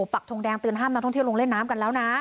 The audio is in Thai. ปักทงแดงเตือนห้ามนักท่องเที่ยวลงเล่นน้ำกันแล้วนะ